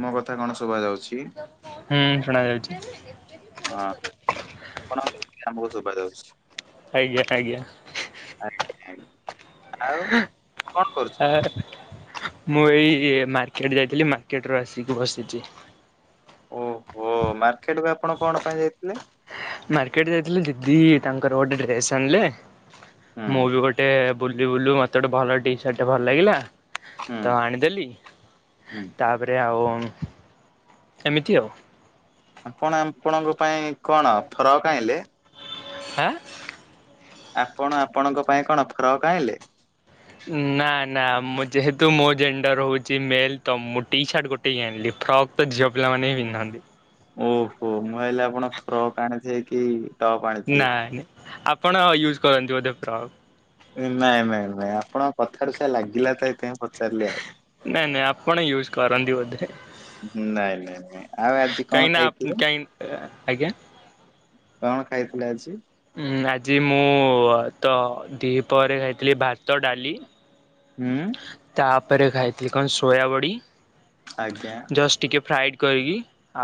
ମୋ କଥା କଣ ଶୁଭା ଯାଉଛି? ହୁଁ ଶୁଣା ଯାଉଛି। କର ଆପଣ ଆମକୁ ସଭାଉଛି। ଆଜ୍ଞା-ଆଜ୍ଞା। [unintelligible] ଆଉ କଣ କରୁଛନ୍ତି? ଆ ମୁଁ ଏଇ ମା ମାର୍କେଟ ଯାଇଥିଲି ମାର୍କେଟ ରୁ ଆସିକି ବସିଛି। ଓହୋ ମାର୍କେଟକୁ ଆପଣ କଣ ପାଇଁ ଯାଇଥିଲେ? ମାର୍କେଟ ଯାଇଥିଲି ଦିଦି ତାଙ୍କର ଗୋଟେ ଡ୍ରେସ ଆଣିଲେ ହୁଁ ମୁଁ ବି ଗୋଟେ ବୁଲୁ ବୁଲୁ ମତେ ଗୋଟେ ଭଲ ଟି ସାର୍ଟା ଭଲ ଲାଗିଲା। ହୁଁ ତ ଆଣିଦେଲି ହୁଁ ତାପରେ ଆଉ ଏମିତି ଆଉ। ଆପଣ ଆପଣଙ୍କ ପାଇଁ କଣ ଫରକ ଆଣିଲେ? ଆ ଆପଣ ଆପଣଙ୍କ ପାଇଁ କଣ ଫ୍ରକ୍ ଆଣିଲେ? ନା ନା ମୁଁ ଯେହେତୁ ମୋ ଜେଣ୍ଡର ହେଉଛି ମେଲ ତ ମୁଁ ଟି ସାର୍ଟ ଗୋଟେ ହି ଆଣିଲି। ଫ୍ରକ୍ ତ ଝିଅ ପିଲାମାନେ ହି ପିନ୍ଧନ୍ତି। ଓହୋ ମୁଁ କହିଲି ଆପଣ ଫ୍ରକ୍ ଆଣିଥିବେ କି ଟପ୍ ଆଣିଥିବେ। ନାଇଁ ଆପଣ ୟୁଜ କରନ୍ତି ବୋଧେ ଫ୍ରକ୍। ନାଇଁ-ନାଇଁ-ନାଇଁ ଆପଣଙ୍କ କଥାରୁ ସେଇଆ ଲାଗିଲା ତ ଏଥି ନାଇଁ-ନାଇଁ ଆପଣ ୟୁଜ କରନ୍ତି ବୋଧେ। ନାଇଁ ନାଇଁ ନାଇଁ ଆଉ ଆଜି କଣ କାହିଁକି ନା ଖାଇଥିଲେ? କାହି ଆଜ୍ଞା। କଣ ଖାଇଥିଲେ ଆଜି? ଉ ଆଜି ମୁଁ ତ ଦିହି ପରେ ଖାଇଥିଲି ଭାତ ଡାଲି। ହୁଁ। ତାପରେ ଖାଇଥିଲି କଣ ସୋୟାବଡ଼ି ଆଜ୍ଞା ଜଷ୍ଟ ଟିକେ ଫ୍ରାଏଡ଼ କରିକି।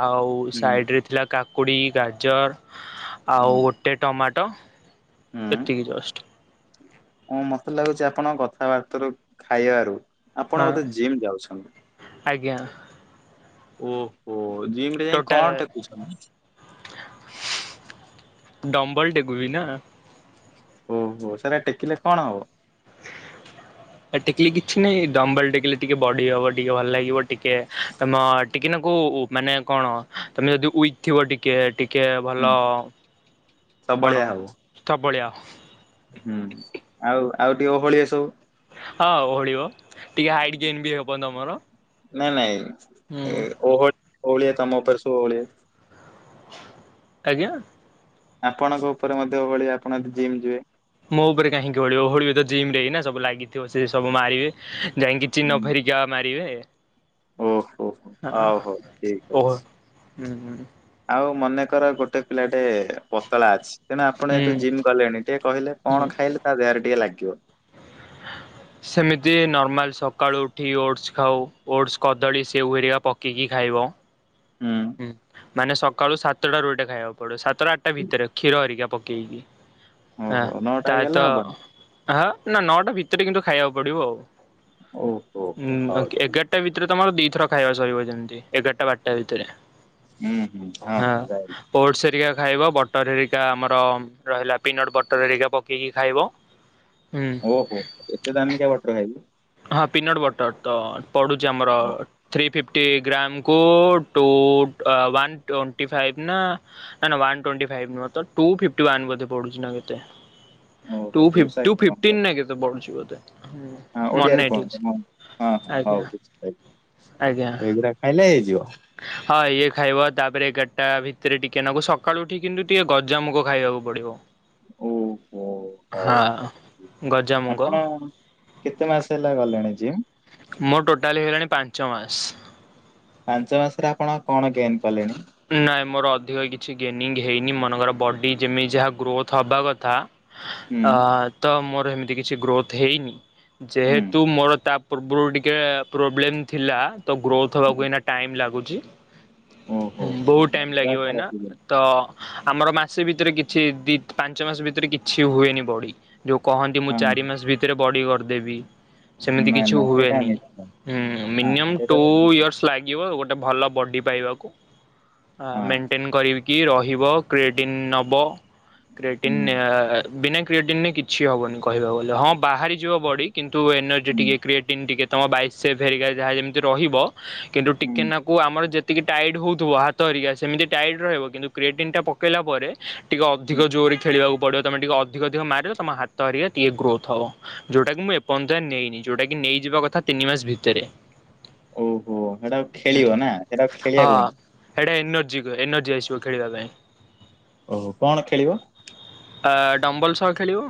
ଆଉ ହୁଁ ସାଇଡ ରେ ଥିଲା କାକୁଡ଼ି ଗାଜର ଆଉ ହୁଁ ଗୋଟେ ଟମାଟୋ। ଟ ଏତିକି ଜଷ୍ଟ। ହଁ ମତେ ଲାଗୁଛି ଆପଣ କଥାବାର୍ତ ର ଖାଇବାରୁ ଆପଣ ହଁ ବୋଧେ ଜିମ୍ ଯାଉଛନ୍ତି। ଆଜ୍ଞା। ଓହୋ ଜିମ୍ ରେ ଯାଇ ଟୋଟାଲ କଣ ଟେକୁଛନ୍ତି? ଡମ୍ବୁଲ ଟେକୁଛି ନା। ଓହୋ ସେଟା ଟେକିଲେ କଣ ହବ? [inaudible] ଟେକିଲି କିଛି ନାଇଁ ଡମ୍ବୁଲ ଟେକିଲି ଟିକେ ବଢି ହବ ଟିକେ ଭଲ ଲାଗିବ ଟିକେ ତମ ଟିକେ କୁ ମାନେ କଣ ତମେ ଯଦି ଉଇକ୍ ଥିବ ଟିକେ-ଟିକେ ଟିକଏ ହୁଁ ଭଲ ସବଳିଆ କଣ ହବ ଧବଳିଆ ହୁଁ ଆଉ-ଆଉ ଟିକେ ଓହଳିଆ ସବୁ। ହଁ ଓଳିବ ଟିକେ ହାଇଟ ଗେନ୍ ବି ହବ ତମର। ହୁଁ ନାଇଁ-ନାଇଁ ଓହଳି ଓହଳିଆ ତମ ଉପରେ ଶ ଓଉଳିଆ। ଆଜ୍ଞା। ଆପଣଙ୍କ ଉପରେ ମଧ୍ୟ ଓଳିଆ ଆପଣ ଯଦି ଜିମ୍ ଯିବେ। ମୋ ଉପରେ କାହିଁକି ଓହଳିବ ଓହଳିବ ତ ଜିମ ରେ ସବୁ ଲାଗିଥିବ ସେ ସବ ମାରିବେ। ଯାଇକି ଚିହ୍ନ ଫେରିକିବା ମାରିବେ। ଓହୋ-ହୋ ହଉ-ହଉ ଠିକ ଓହ ଅଛି ହୁଁ ହୁଁ ଆଉ ମନେ କର ଗୋଟେ ପିଲାଟେ ପତଳା ଅଛି ତଣୁ ଆପଣ ହୁଁ ଯେହେତ ଜିମ୍ ଗଲେଣି ଟିକେ କହିଲେ କଣ ଖାଇଲେ ତା ଦେହରେ ଟିକେ ଲାଗିବ। ହଁ [inaudible] ସେମିତି ନର୍ମାଲ୍ ସକାଳୁ ଉଠି ଓଟ୍ସ ଖାଉ ଓଟ୍ସ କଦଳୀ ସେ ହରିକା ପକେଇକି ଖାଇ ପାରିବ। ହୁଁ ମାନେ ସକାଳୁ ସାତଟାରୁ ଏଇଟା ଖାଇବାକୁ ପଡିବ, ସାତଟ ଆଠଟା ହୁଁ। ଭିତରେ କ୍ଷୀର ହେରିକା ପକେଇବି ଓହୋ ନଅଟା ତା ହେଇଗଲେ ତ ହବନି ହଁ ନା ନଅଟା ଭିତରେ କିନ୍ତୁ ଖାଇବାକୁ ପଡିବ। ଓହୋ ହଁ ଓହୋ, ହଉ ଏ ଏଗାରଟା ଭିତରେ ତମର ଦିଥର ଖାଇବା ସରିବ ଯେମିତି ଏଗାରଟା ବାରଟା ଭିତରେ ହୁଁ ହୁଁ ହଁ ଯାଇଲି ଓଟ୍ସ ହେରିକା ଖାଇବ ବଟର ହେରିକା ଆମର ରହିଲା ପିନଟ୍ ବଟର ହେରିକା ପକେଇକି ଖାଇବ। ହୁଁ ଓହୋ ଏତେ ଦାମୀ କା ବଟର ଖାଇବୁ। ହଁ ପିନଟ୍ ବଟର୍ ତ ପଡ଼ୁଛି ଆମର ଥ୍ରୀ ଫିଫ୍ଟି ଟ ଗ୍ରାମ କୁ-ଉ-ଉ ଟୁ ଅ ୱାନ ଟୋଣ୍ଟି ଫାଇଫ ନା ନା ନା ୱାନ ଟୋଣ୍ଟି ଫାଇ ଫାଇଫ ନୁହଁ ତ ଟୁ ଫିଫଟି ୱାନ ବୋଧେ ପଡୁଛି ନା କେତେ। ଓହୋ ଟୁ ଦୁଇଶହ ଫିଫଟିନ ଏକାବନ ନା କେତେ ପଢୁଛି ବୋଧେ? ହଁ ମନେ ଓଡିଆରେ ନାହିଁ ଠିକ କୁହନ୍ତୁ ସେ ମୁଁ ହଁ ହଁ ଆଜ୍ଞା ହଉ ବୁଝି ଆଜ୍ଞା। ପାରିଲି। ଏଇଗୁଡା ଖାଇଲେ ହେଇଯିବ। ହଁ ଇଏ ଖାଇବ ତାପରେ ଏଗାରଟା ଭିତରେ ଟିକେ ନାକୁ ସକାଳୁ ଉଠି କିନ୍ତୁ ଟିକେ ଗଜାମୁଗ ଖାଇବାକୁ ପଡିବ। ଓହୋ। ଓ ହଉ ହଁ। ଗଜାମୁଗ ଆପଣ କେତେ ମାସ ହେଲା ଗଲେଣି ଜିମ୍? ମୋ ଟୋଟାଲି ହେଇଗଲାଣି ପାଞ୍ଚ ମାସ। ପାଞ୍ଚ ମାସରେ ଆପଣ କଣ ଗେନ୍ କଲେଣି? ନାଇଁ ମୋର ଅଧିକ କିଛି ଗେନିଙ୍ଗ ହେଇନି ମନେଙ୍କର ବଡ଼ି ଯେମିତି ଯାହା ଗ୍ରୋଥ୍ ହେବା କଥା ହୁଁ ଅ ତ ମୋର ଏମିତି କିଛି ଗ୍ରୋଥ ହେଇନି ହୁଁ ଯେହେତୁ ମୋର ତା ପୂର୍ବରୁ ଟିକେ-ଏ ପ୍ରୋବ୍ଲେମ ଥିଲା ତ ଗ୍ରୋଥ ହବାକୁ ଏଇନା ଟାଇମ୍ ଲାଗୁଛି। ଓହୋ ବହୁତ ଟାଇମ ଦେହ ଲାଗିବ ଏଇନା ଖରାପ ହେଇଗଲା ତ ଆମର ମାସେ ଭିତରେ କିଛି ଦି ପାଞ୍ଚ ମାସ ଭିତରେ କିଛି ହୁଏନି ବଡି। ଯେଉଁ କହନ୍ତି ମୁଁ ଚାରି ହଁ ମାସ ଭିତରେ ବଡ଼ି କରିଦେବି। ସେମିତି ନାଇଁ କିଛି ନାଇଁ ସେଇଟା ହୁଏନି ମିଛ ହୁଁ ହଁ ମିନିୟମ ସେଇଟା ଟୁ ତ ଠିକ କଥା ଇୟର୍ସ ଲାଗିବ ଗୋଟେ ଗୋଟେ ଭଲ ବଡ଼ି ପାଇବାକୁ ଆ ହଁ ମେଣ୍ଟେନ୍ କରି କି ରହିବ କ୍ରେଟିନ୍ ନେବ କ୍ରେଟିନ୍ ହୁଁ ଅ-ଅ-ଅ ବିନାୟକ କ୍ରିଏଟିନ କିଛି ହେବନି କହିବାକୁ ଗଲେ ହଁ ବାହାରିଯିବ ବଡ଼ି କିନ୍ତୁ ଏନର୍ଜି ହୁଁ ଟିକେ କ୍ରିଏଟିନ ଟିକେ ତମ ବାଇଶେଫ୍ ହେରିକା ଯାହା ଯେମିତି ରହିବ କିନ୍ତୁ ହୁଁ ଟିକେନାକୁ ଆମର ଯେ ଟିକେ ଟାଇଟ୍ ହଉଥିବ ହାତ ହେରିକା ସେମିତି ଟାଇଟ୍ ରହିବ କିନ୍ତୁ କ୍ରେଟିନ୍ ଟା ପକେଇଲା ପରେ ଟିକେ ହୁଁ ଅଧିକ ଜୋରରେ ଖେଳିବାକୁ ପଡିବ ତମେ ଟିକେ ଅଧିକ ଅଧିକ ମାରିବ ତମ ହାତ ହେରିକା ଟିକେ ଗ୍ରୋଥ ହବ। ଯୋଉଟା କି ମୁଁ ଏପର୍ଯ୍ୟନ୍ତ ନେଇନି ଯଉଟା କି ନେଇଯିବା କଥା ତିନି ମାସ ଭିତରେ। ଓହୋ ସେଇଟା ଖେଳିବ ନା ସେଇଟା ଆ ଖେଳିବାକୁ କୁହନ୍ତି। ଏଇଟା ଏନର୍ଜି କୁହେ ଏନର୍ଜି ଆସିବ ଖେଳିବା ପାଇଁ। ଓହୋ କଣ ଖେଳିବ? ଅ-ଅ-ଅ ଡମ୍ବଲ ସହ ଖେଳିବ।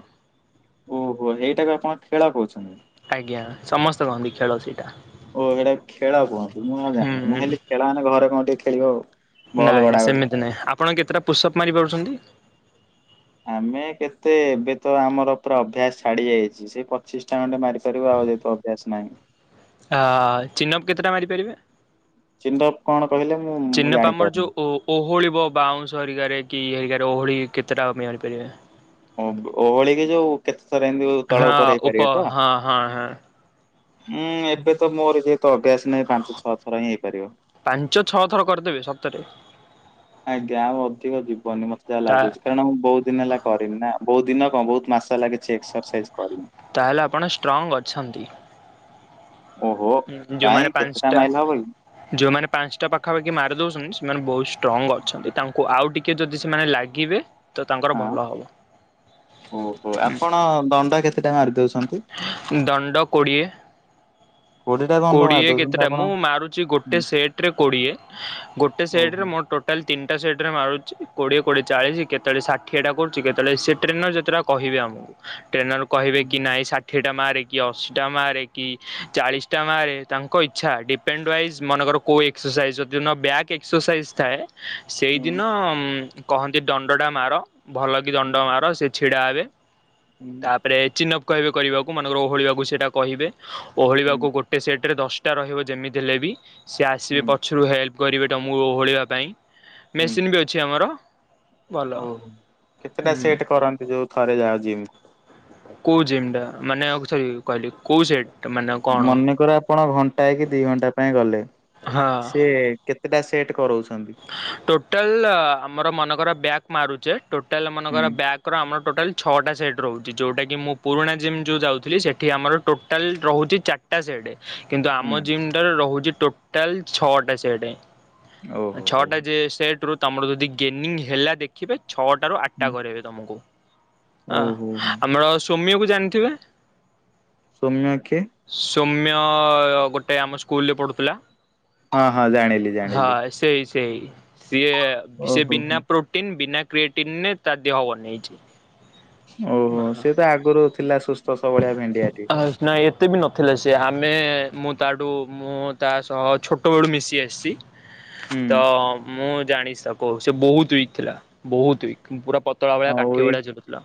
ଓହୋ ଏଇଟାକୁ ଆପଣ ଖେଳ କହୁଛନ୍ତି। ଆଜ୍ଞା ସମସ୍ତେ କହନ୍ତି ଖେଳ ସେଇଟା। ଓ ଏଇଟା ଖେଳ କୁହନ୍ତି। ମୁଁ ଆଉ ହୁଁ ଜାଣିନି ମୁଁ ହେଲି ଖେଳ ମାନେ ଘରେ କଣ ଟିକେ ଖେଳିବ। ବଲ୍ ନାଇଁ ନାଇଁ ଗଡାଗଡି ସେମିତି ନାଇଁ ଆପଣ କେତେଟା ପୁଷପ୍ ମାରି ପାରୁଛନ୍ତି? ଆମେ କେତେ ଏବେ ତ ଆମର ପୁରା ଅଭ୍ୟାସ ଛାଡି ଯାଇଛି ସେ ପଚିଶ ଟା ଖଣ୍ଡେ ମାରି ସରିବ ଆ ଯେହେତୁ ଅଭ୍ୟାସ ନାହି। ଆ ଚିନଅପ୍ କେତେଟା ମାରିପାରିବେ? ଚିଣ୍ଡପ କଣ? ମୁଁ ମୁଁ ଚିନପ ଆମର ଜାଣିପାରୁନି। ଯୋଉ ଓ ଓହଳିବ ବାଉଁଶ ହେରିଗାରେ କି ଇ ହେରିକାରେ। ଓହଳି କେତେଟା ମ [unintelligible] ଓହଳିକି ଯୋଉ କେତେଥର ଏମିତି ତଳ ହଁ ଉପରେ ଉପ ହେଇପାରିବେ ତ। ହଁ ହଁ ହଁ ହୁଁ ଏବେତ ମୋର ଯେ ତ ଅଭ୍ୟାସ ନାହିଁ ପାଞ୍ଚ ଛଅ ଥର ହିଁ ହେଇପାରିବ। ପାଞ୍ଚ ଛଅ ଥର କରିଦେବେ ସତରେ। ଆଜ୍ଞା ଆ ଅଧିକ ଯିବନି ମତେ ଯାହା ତା ଲାଗୁଛି କାରଣ ମୁଁ ବହୁତ ଦିନ ହେଲା କରିନି ନା। ବହୁତ ଦିନ କଣ ବହୁତ ମାସ ଲାଗିଛି ଏକ୍ସରସାଇଜ କରିନି। ତାହେଲେ ଆପଣ ଷ୍ଟ୍ରଙ୍ଗ୍ ଅଛନ୍ତି। ଓହୋ। ହଁ ଯୋଉମାନେ କାଇଁ କେତେଟା ପାଞ୍ଚଟା ମାଇଲ ହବ କି? ଯୋଉମାନେ ପାଞ୍ଚଟା ପାଖାପାଖି ମାରି ଦଉଛନ୍ତି ସେମାନେ ବହୁତ ଷ୍ଟ୍ରଙ୍ଗ ଅଛନ୍ତି। ତାଙ୍କୁ ଆଉ ଟିକେ ଯଦି ସେମାନେ ଲାଗିବେ ତ ତାଙ୍କର ହଁ ଭଲ ହବ। ଓହୋ ହୁଁ। ଆପଣ ଦଣ୍ଡ କେତେଟା ମାରି ଦଉଛନ୍ତି? ଦଣ୍ଡ କୋଡ଼ିଏ କୋଡିଏଟା ଦଣ୍ଡ ମାରି କୋଡିଏ ଦଉଛନ୍ତି କେତେଟା ଆପଣ ମୁଁ ମାରୁଚି ଗୋଟେ ହୁଁ ସେଟ ରେ କୋଡିଏ। ଗୋଟେ ସେଟରେ ଓହୋ। ମୋ ଟୋଟାଲି ତିନ୍ ଟା ସେଟରେ ମାରୁଚି କୋଡିଏ କୋଡିଏ ଚାଳିଶି, କେତେବେଳେ ଷାଠିଏଟା କରୁଚି, କେତେବେଳେ ସେ ଟ୍ରେନର ଯେତେଟା କହିବେ ଆମକୁ ଟ୍ରେନର କହିବେ ହୁଁ କି ନାଇଁ ଷାଠିଏଟା ମାରେ କି ଅଶୀଟା ମାରେ କି ଚାଳିଶ ଶଟା ମାରେ ତାଙ୍କ ଇଚ୍ଛା। ଡିପେଣ୍ଡ ୱାଇଜ୍ ମନେକର କୋ ଏକ୍ସରସାଇଜ୍ ଯଦି ନ ବ୍ୟାକ୍ ଏକ୍ସରସାଇଜ୍ ଥାଏ ସେଇଦିନ ହୁଁ କହନ୍ତି ଦଣ୍ଡ ଟା ମାର। ଭଲ କି ହୁଁ ଦଣ୍ଡ ମାର ସେ ଛିଡ଼ା ହେବେ। ତାପରେ ଚିନ୍ଅପ୍ କହିବେ କରିବାକୁ। ମନେକର ଓହଳିବାକୁ ସେଇଟା କହିବେ ହୁଁ ଓହଳିବାକୁ ଗୋଟେ ସେଟରେ ଦଶଟା ରହିବ ଯେମିତି ହେଲେ ବି ସିଏ ଆସିବେ ହୁଁ ପଛରୁ ହେଲ୍ପ କରିବେ ତମକୁ ଓହଳିବା ପାଇଁ ହୁଁ, ମେସିନ ବି ଅଛି ଆମର ଭଲ। ଓହୋ କେତେଟା ହୁଁ ସେଟ କରନ୍ତି, ଯୋଉ ଥରେ ଯାଅ ଜିମକୁ? କୋଉ ଜିମ୍ ଟା ମାନେ ଆଉ ସରି କହିଲି କୋଉ ସେଟ ମାନେ କଣ? ମନେକର ଆପଣ ଘଣ୍ଟାଏ କି ଦି ଘଣ୍ଟା ପାଇଁ ଗଲେ ହଁ ସିଏ କେତେଟା ସେଟ୍ କରଉଛ ଟୋଟାଲ ଆମର ମନେକର ବ୍ୟାକ୍ ମାରୁଚେ, ଟୋଟାଲ ହୁଁ ମନେକର ବ୍ୟାକ୍ ର ଆମର ଟୋଟାଲ୍ ଛଅଟା ସେଟ୍ ରହୁଛି। ଯୋଉଟାକି ମୁଁ ପୁରୁଣା ଜିମ୍ ଯୋଉ ଯାଉଥିଲି ସେଠି ଆମର ଟୋଟାଲ୍ ରହୁଚି ଚାର ଟା ସେଟ୍। କିନ୍ତୁ ହୁଁ ଆମ ଜିମ୍ ଟାରେ ରହୁଛି ଟୋଟାଲ ଛଅଟା ସେଟେ। ଓହୋ ହୋ। ଛଅଟା ସେଟ ରୁ ତମର ଯଦି ଗେନିଂ ହେଲା ଦେଖିବେ, ଛଅଟ ରୁ ଆଠଟା କରେଇବେ ତମକୁ। ଅ ଓହୋ ଆମର ସୋମ୍ୟକୁ ଜାଣିଥିବେ? ସୌମ୍ୟ କିଏ? ସୌମ୍ୟ ଗୋଟେ ଆମ ସ୍କୁଲରେ ପଢୁଥିଲା। ହଁ ହଁ ଜାଣିଲି ହଁ ଜାଣିଲି। ସେଇ ସିଏ ସେ ଓହୋ ହୋ ବିନା ପ୍ରୋଟିନ୍ ବିନା କ୍ରିଏଟିନରେ ତା ଦେହ ବନେଇଛି। ଓହୋ ସିଏ ତ ଆଗରୁ ଥିଲା ସୁସ୍ଥ ସବଳିଆ ଭେଣ୍ଡିଆଟିଏ। ଥିଲେ ସେ। ଆମେ ମୁଁ ତାଠୁ ମୁଁ ତା ସହ ଛୋଟବେଳୁ ମିଶି ଆସିଛି ହୁଁ। ତ ମୁଁ ଜାଣିଚି ତାକୁ ସେ ବହୁତ ଉଇକ ଥିଲା। ବହୁତ ଉଇକ ପୁରା ପତଳା ଭଳିଆ ହଉ କାଠି ଏଇ ଭଳିଆ ଝୁଲୁଥିଲା।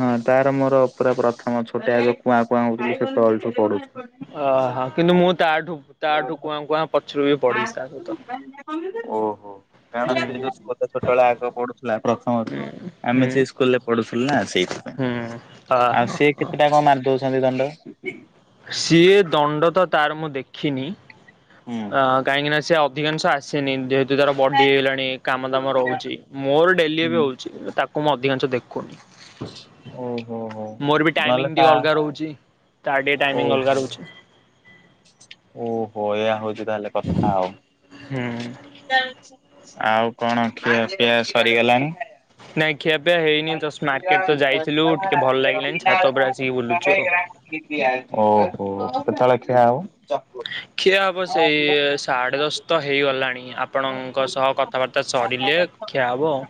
ହଁ ତାର ମୋର ପୁରା ପ୍ରଥମ ଛୁ ଗୋଟେ ଆଗ କୁଆଁ କୁଆଁ ହଉଥିଲୁ ସେତବେଳଠୁ ପଢ଼ୁଛୁ। ଓହୋ। କିନ୍ତୁ ମୁଁ ତାଠୁ ତାଠୁ ଓହୋ। କୁଆଁ କୁଆଁ ପଛରୁ ବି ପଢିଛି କାରଣ ତା ସେ ସହିତ। ହୁଁ [unintelligible] ଯେତେବେଳେ ଆଗ ପଢୁଥିଲା ହୁଁ ପ୍ରଥମରୁ ଆମେ ହୁଁ ସେଇ ସ୍କୁଲରେ ପଢୁଥିଲୁ ନା ହୁଁ ଅହ ସେଇଥିପାଇଁ। ସିଏ କେତେଟା କଣ ମାରିଦଉଛନ୍ତି ଦଣ୍ଡ? ସିଏ ଦଣ୍ଡ ତ ତାର ମୁଁ ଦେଖିନି ହୁଁ ଅ କାହିଁକି ନା ସେ ଅଧିକାଂଶ ଆସେନି। ଯେହେତୁ ତାର ବଡି ହେଇଗଲାଣି କାମ ଦାମ ରହୁଛି। ମୋର ଡେଲି ବି ହୁଁ ହଉଛି ତ ତା କୁ ମୁଁ ଅଧିକାଂଶ ଦେଖୁନି। ଓହୋ ହୋ ମୋର ବି ନହେଲେ ଟାଇମିଂ ତା ଟିକେ ଅଲଗା ରହୁଛି। ତାର ଟିକେ ଟାଇମିଂ ଅଲଗା ଓହୋ। ରହୁଛି। ଓହୋ ଏଇଆ ହଉଛି ତାହେଲେ କଥା ଆଉ। ହୁଁ। ଆଉ କଣ ଖିଆପିଆ ସରିଗଲାଣି ନାଇଁ ଖିଆପିଆ ହେଇନି ଜଷ୍ଟ ମାର୍କେଟ ତ ଯାଇଥିଲୁ, ଟିକେ ଭଲ ଲାଗିଲାନି ଛାତ ଉପରେ ଆସିକି ବୁଲୁଚୁ ଆଉ। ଓହୋ କେତେବେଳେ ଖିଆ ହବ? ଖିଆ ହବ ସେଇ ସାଢେ ଦଶ ତ ହେଇଗଲାଣି ଆପଣଙ୍କ ସହ କଥାବାର୍ତ୍ତା ସରିଲେ ଖିଆ ହବ ଆଉ।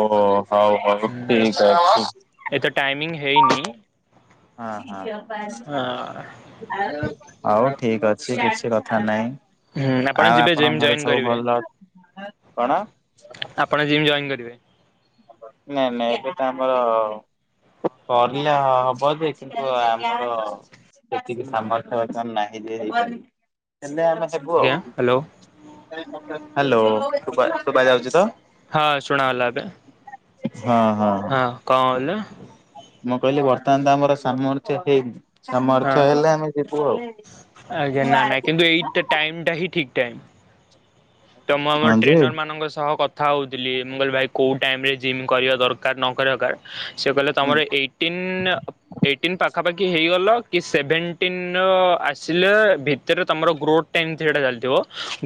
ଓ ହଉ ହଉ ହୁଁ ଠିକ୍ ଅଛି। ଏତେ ଟାଇମିଂ ହେଇନି ହଁ ହଁ ହଁ ହଉ ଠିକ୍ ଅଛି କିଛି କଥା ନାହିଁ ହୁଁ ଆପଣ ଆଉ ଯିବେ ଜିମ୍ ଆପଣଙ୍କ ଘରେ ଜଏନ୍ ସବୁ କରିବେ ଭଲ ଅଛନ୍ତି କଣ? ଆପଣ ଜିମ୍ ଜଏନ୍ କରିବେ। ନାଇଁ ନାଇଁ ଏବେ ତ ଆମର କରିଲେ ହବ ଯେ କିନ୍ତୁ ଆମର ସେତିକି ସାମର୍ଥ୍ୟ ବତ୍ରମାନେ ନାହିଁ ଯେ ହେଇ ହେଲେ ଆମେ ଆଜ୍ଞା ହାଲୋ ହାଲୋ ସୁବା-ସୁବାଯାଉଚି ତ? ହଁ ଶୁଣାଗଲା ଏବେ। ହଁ କଣ କହିଲେ? ମୁଁ କହିଲି ବର୍ତ୍ତମାନ ତ ଆମର ସାର୍ମଥ୍ୟ ହେଇନି। ହଁ ସାର୍ମଥ୍ୟ ହେଲେ ଆମେ ଯିବୁ ଆଜ୍ଞା ନା ଆଉ। ନାଇଁ କିନ୍ତୁ ଏଇଟା ଟାଇମ୍ ତମ ଆମ ହଁ ଯେ ଟ୍ରେନର ମାନଙ୍କ ସହ କ ଥା ହୋଉଥିଲି ମୁଁ କହିଲି ଭାଇ କୋଉ ଟାଇମରେ ଜିମ୍ କରିବା ଦରକାର ନ କରିବା ଦରକାର। ସେ କହିଲେ ହୁଁ ତମର ଏଇଟିନ୍ [unintelligible] ଏଇଟିନ୍ ପାଖାପାଖି ହେଇଗଲ। କି ସେଭେନଟିନ୍ ର ଆସିଲେ ଭିତରେ ତମର ଗ୍ରୋଥ ଟାଇମ୍ ସେଇଟା ଚାଲିଥିବ।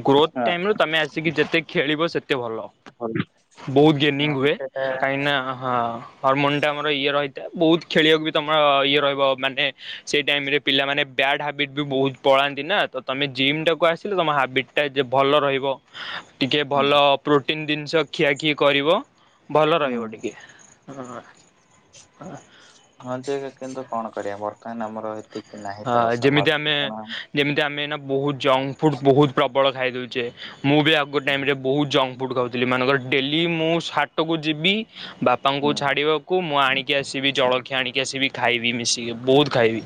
ଗ୍ରୋଥ ଟାଇମରୁ ତମେ ଆସିକି ଯେତେ ଖେଳିବ ସେତେ ଭଲ। ବୋହୁତ ଗେନିଙ୍ଗ ହଁ ହୁଏ ସେଟା କାହିଁକି ନା ହ-ହରମୋନଟା ଆମର ଇଏ ରହିଥାଏ ବୋହୁତ ଖେଳିବାକୁ ବି ତ ମ ଇଏ ରହିବ ମାନେ ସେଇ ଟାଇମରେ ପିଲାମାନେ ବ୍ୟାଡ ହ୍ୟାବିଟ ବି ବୋହୁତ ପଳାନ୍ତି ନା। ତମେ ଜିମ୍ ଟାକୁ ଆସିଲେ ତମ ହାର୍ଟବିଟ୍ ଟା ଯେ ଭଲ ରହି। ଟିକେ ହୁଁ ଭଲ ପ୍ରୋ ଟ୍ରିନ ଜିନିଷ ଖିଆଖି କରିବ ଭଲ ହୁଁ ରହିବ ଟିକେ। ହଁଅ ହଁଅ। ହଁ ଯେ କିନ୍ତୁ କଣ କରିବା ବର୍ତ୍ତମାନ ଆମର ଏତିକି ନାହିଁ ହଁ ତ ସାମର୍ଥ୍ୟ ତ ନାହିଁ। ବୋହୁତ ଜଙ୍କଫୁଡ ବୋହୁତ ପ୍ରବଳ ଖାଇ ଦେଉଚେ। ମୁଁ ବି ଆଗ ଟାଇମରେ ବୋହୁତ ଜଙ୍କ ଫୁଡ୍ ଖାଉଥିଲି ମାନଙ୍କର ଡେଲି ମୁଁ ହାଟକୁ ଯିବି ବାପାଙ୍କୁ ହୁଁ ଛାଡିବାକୁ ମୁଁ ଆଣିକି ଆସିବି ଜଳ ଖିଆ ଆଣିକି ଆସିବି ଖାଇବି ମିଶିକି ବୋହୁତ ଖାଇବି।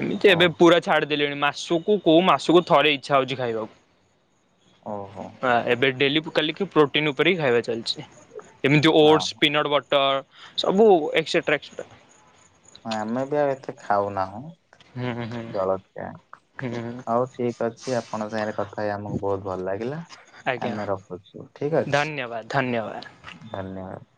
ଏମିତି ଓ ଏବେ ପୁରା ଛାଡିଦେଲେଣି ମାସକୁ କୋଉ ମାସକୁ ଥରେ ଇଚ୍ଛା ହୋଉଚି ଖାଇବାକୁ। ଓହୋ ହାଁ ଏବେ ଡେଲି କୁ କାଲି କି ପ୍ରୋଟିନ ଉପରେ ହିଁ ଖାଇବା ଚାଲ ଏମିତି ହଁ ଓଟସ ପିନଟ୍ ବଟର ସବୁ ଏସେଟ୍ରା ଏସେଟ୍ରା ହ ଆମେ ବି ଆଉ ଏତେ ଖାଉନାହୁଁ। ହୁଁ ହୁଁ ଜଳଖିଆ। ହଁ। ହଉ ଠିକ୍ ଅଛି ଆପଣଙ୍କ ସାଙ୍ଗରେ କଥା ହେଇ ଆମକୁ ବହୁତ ଭଲ ଲାଗିଲା। ଆଜ୍ଞା ଆମେ ରଖଛୁ ଠିକ ଅଛି ଧନ୍ୟବାଦ ଧନ୍ୟବାଦ। ଧନ୍ୟବାଦ।